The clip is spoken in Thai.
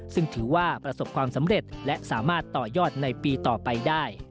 ซึ่งถือว่าประสบความสำเร็จและสามารถต่อยอดในปีต่อไปได้